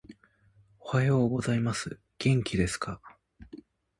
おはようございます。元気ですか？